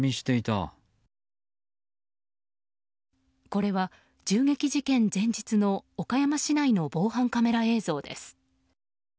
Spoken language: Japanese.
これは、銃撃事件前日の岡山市内の防犯カメラ映像です。